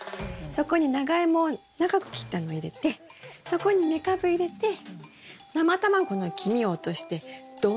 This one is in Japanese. そこにナガイモを長く切ったのを入れてそこにメカブ入れて生卵の黄身を落として丼にするんです。